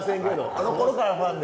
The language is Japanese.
あのころからファンで。